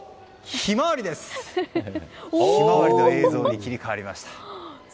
「ひまわり」の映像に切り替わりました。